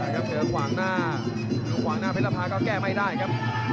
เจอขวางหน้าดูขวางหน้าเพชรภาก็แก้ไม่ได้ครับ